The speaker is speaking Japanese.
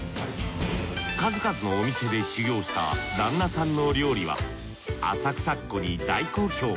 数々のお店で修業した旦那さんの料理は浅草っ子に大好評。